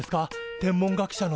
天文学者の。